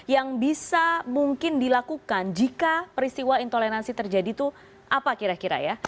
yang bisa mungkin dilakukan jika peristiwa intoleransi terjadi itu apa kira kira ya